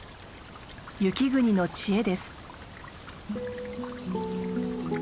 雪国の知恵です。